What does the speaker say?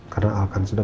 karena alkan sudah